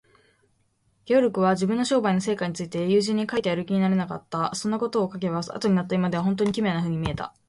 ゲオルクは、自分の商売の成果について友人に書いてやる気にはなれなかった。そんなことを書けば、あとになった今では、ほんとうに奇妙なふうに見えたことであろう。